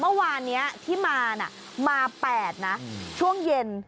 เมื่อวานนี้ที่มามา๘นะช่วงเย็น